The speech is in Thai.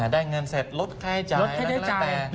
ได้เงินเสร็จลดค่าใช้จ่ายอะไรก็แล้วแต่